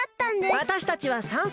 わたしたちはさんそ